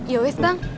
iya bener bang